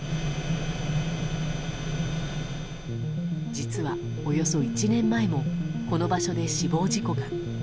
実は、およそ１年前にもこの場所で死亡事故が。